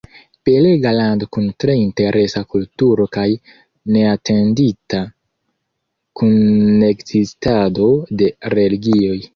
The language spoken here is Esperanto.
Belega lando kun tre interesa kulturo kaj neatendita kunekzistado de religioj.